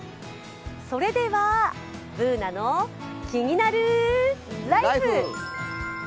それでは、「ＢｏｏｎａのキニナルＬＩＦＥ」。